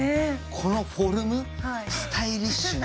このフォルムスタイリッシュな。